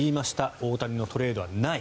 大谷のトレードはない。